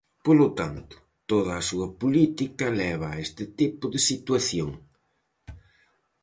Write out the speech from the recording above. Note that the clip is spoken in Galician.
Polo tanto, toda a súa política leva a este tipo de situación.